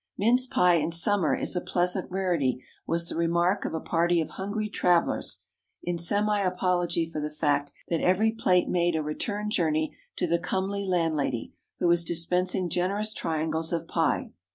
"Mince pie in summer is a pleasant rarity," was the remark of a party of hungry travellers, in semi apology for the fact that every plate made a return journey to the comely landlady, who was dispensing generous triangles of pie.